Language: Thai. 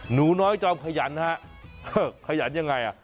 หนูน้อยจอมขยันฮะขยันยังไงอ่ะ